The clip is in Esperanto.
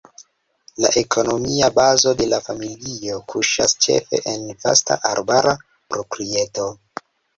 La ekonomia bazo de la familio kuŝas ĉefe en vasta arbara proprieto.